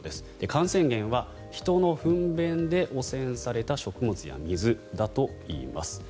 感染源は人の糞便で汚染された食物や水だといいます。